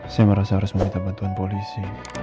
saya merasa harus meminta bantuan polisi